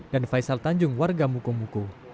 dan faisal tanjung warga mukomuko